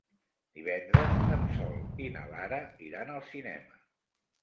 Divendres en Sol i na Lara iran al cinema.